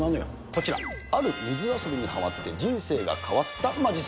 こちら、ある水遊びにはまって人えっ？